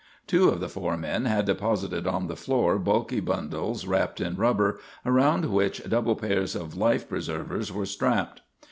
Two of the four men had deposited on the floor bulky bundles wrapped in rubber, around which double pairs of life preservers were strapped.